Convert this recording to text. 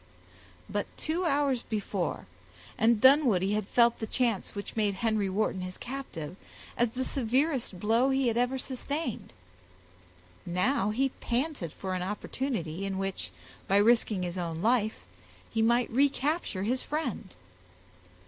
But two hours before, and Dunwoodie had felt the chance which made Henry Wharton his captive, as the severest blow he had ever sustained. Now he panted for an opportunity in which, by risking his own life, he might recapture his friend.